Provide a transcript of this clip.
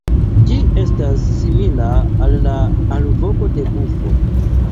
Ĝi estas simila al la alvoko de bufo.